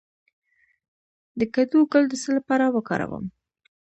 د کدو ګل د څه لپاره وکاروم؟